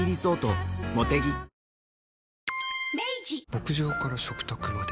牧場から食卓まで。